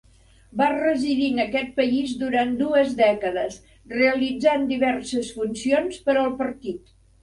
Va residir en aquest país durant dues dècades, realitzant diverses funcions per al partit.